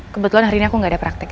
kebetulan hari ini aku gak ada praktek